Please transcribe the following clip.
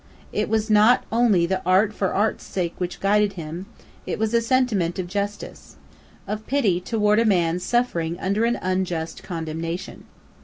It was not only the art for art's sake which guided him, it was a sentiment of justice, of pity toward a man suffering under an unjust condemnation.